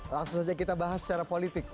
langsung saja kita bahas secara politik